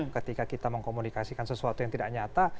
ketika kita mengkomunikasikan sesuatu yang tidak nyata